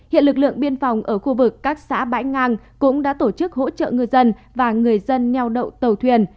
hiện lực lượng biên phòng ở khu vực các xã bãi ngang cũng đã tổ chức hỗ trợ ngư dân và người dân nheo đậu tàu thuyền